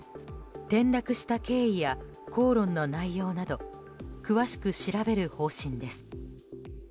転落した経緯や口論の内容など詳しく調べる方針です。